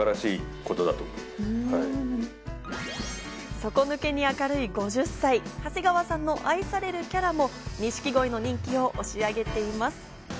底抜けに明るい５０歳、長谷川さんの愛されるキャラも錦鯉の人気を押し上げています。